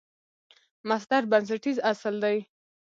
مصدر بنسټیز اصل دئ.